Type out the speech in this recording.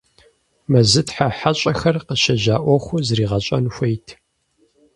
Мэзытхьэ хьэщӀэхэр къыщӀежьа Ӏуэхур зригъэщӀэн хуейт.